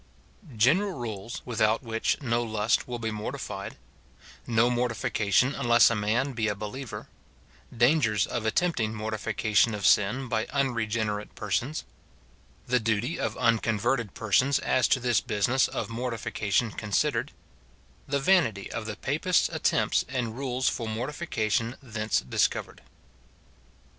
General rules, without which no lust will be mortified — No morti fication unless a man be a believer — Dangers of attempting mor tification of sin by unregenerate persons — The duty of uncon verted persons as to this business of mortification considered — The vanity of the Papists' attempts and rules for mortification thence discovered.